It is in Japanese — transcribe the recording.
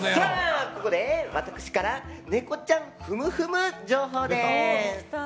ここで私からネコちゃんふむふむ情報です。